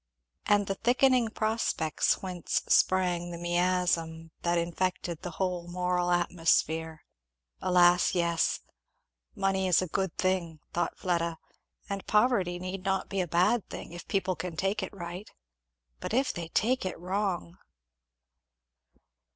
and the thickening prospects whence sprang the miasm that infected the whole moral atmosphere alas, yes! "Money is a good thing," thought Fleda; "and poverty need not be a bad thing, if people can take it right; but if they take it wrong!